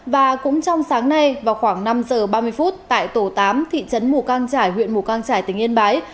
và cũng trong sáng nay vào khoảng năm giờ ba mươi phút tại tổ tám thị trấn mù căng trải huyện mù căng trải tỉnh yên bái